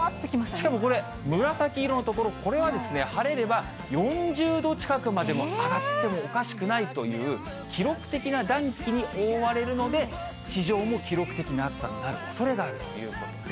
しかもこれ、紫色の所、これは晴れれば４０度近くまで、もう上がってもおかしくないという、記録的な暖気に覆われるので、地上も記録的な暑さになるおそれがあるということで。